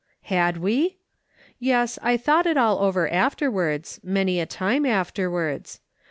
Had we ? Yes, I thought it all over afterwards, many a time afterwards.